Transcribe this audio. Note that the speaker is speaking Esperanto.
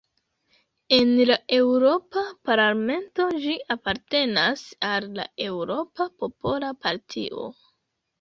En la Eŭropa parlamento ĝi apartenas al la Eŭropa Popola Partio.